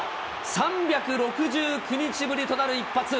３６９日ぶりとなる一発。